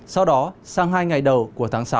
sau đó sang hai ngày đầu của tháng sáu